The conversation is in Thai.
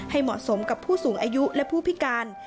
เหมาะสมกับผู้สูงอายุและผู้พิการ